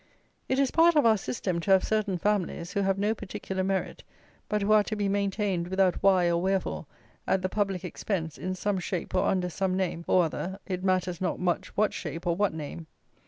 It is a part of our system to have certain families, who have no particular merit, but who are to be maintained, without why or wherefore, at the public expense, in some shape, or under some name, or other, it matters not much what shape or what name.